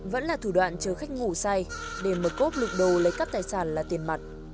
vẫn là thủ đoạn chờ khách ngủ say để mở cốt lực đầu lấy cắp tài sản là tiền mặt